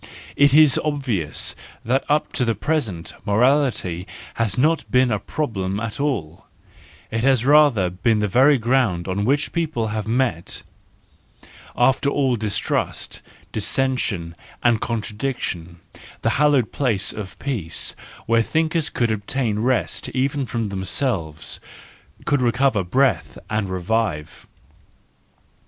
It is obvious that up to the present morality has not been a problem at all; it has rather been the very ground on WE FEARLESS ONES 281 which people have met, after all distrust, dissen¬ sion, and contradiction, the hallowed place of peace, where thinkers could obtain rest even from themselves, could recover breath and revive.